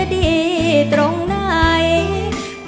รักเธอค่ะรักเธอค่ะรักเธอค่ะ